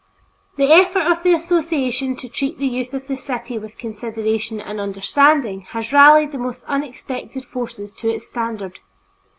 The effort of the association to treat the youth of the city with consideration and understanding has rallied the most unexpected forces to its standard.